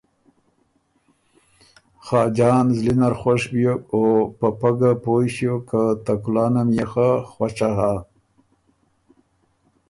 خاجان زلي نر خوش بيوک او په پۀ ګه پویٛ ݭیوک که ته کلانه ميې خه خوشه هۀ۔